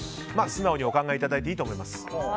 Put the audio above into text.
素直にお考えいただいていいと思います。